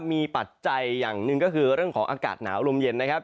มีปัจจัยอย่างหนึ่งก็คือเรื่องของอากาศหนาวลมเย็นนะครับ